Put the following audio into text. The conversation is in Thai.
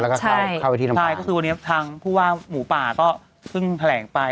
และก็เข้าที่วันนี้ทางผู้ว่าหมู่ป่าก็พึ่งแผลงไป